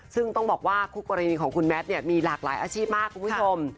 ซึ่งต้องบอกว่าคู่กรณีของคุณแมทเนี่ยมีหลากหลายอาชีพมากคุณผู้ชม